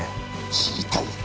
知りたいか？